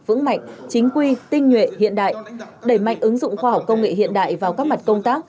vững mạnh chính quy tinh nhuệ hiện đại đẩy mạnh ứng dụng khoa học công nghệ hiện đại vào các mặt công tác